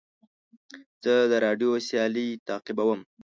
زه د راډیو سیالۍ تعقیبوم.